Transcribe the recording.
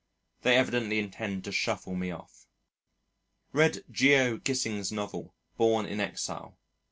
They evidently intend to shuffle me off. Read Geo. Gissing's novel, Born in Exile.